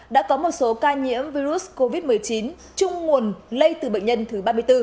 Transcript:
đã có một số ca nhiễm virus covid một mươi chín chung nguồn lây từ bệnh nhân thứ ba mươi bốn